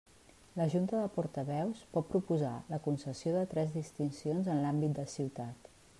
La Junta de Portaveus pot proposar la concessió de tres distincions en l'àmbit de ciutat.